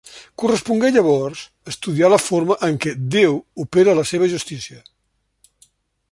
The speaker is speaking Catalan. Correspongué, llavors, estudiar la forma en què Déu opera la Seva justícia.